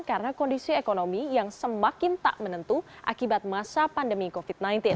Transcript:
karena kondisi ekonomi yang semakin tak menentu akibat masa pandemi covid sembilan belas